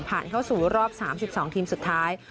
ผ่านเข้าสู่รอบ๓๒ทีมสุดท้าย